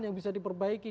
yang bisa diperbaiki